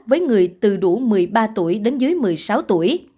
với người từ đủ một mươi ba tuổi đến dưới một mươi sáu tuổi